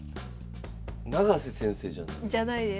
永瀬先生じゃない？じゃないです。